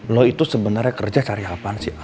lo itu sebenarnya kerja cari apaan sih al